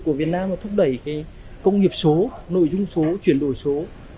của việt nam mà thúc đẩy cái công nghiệp số nội dung số chuyển đổi số